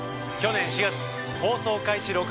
去年４月放送開始